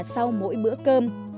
sau mỗi bữa cơm